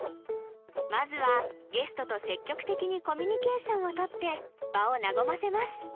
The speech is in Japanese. まずはゲストと積極的にコミュニケーションを取って場を和ませます